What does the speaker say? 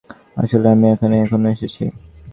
আসলে, আমি এখানে আগেও এসেছি।